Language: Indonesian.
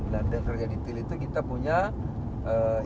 dan kerja detail itu kita punya instruksi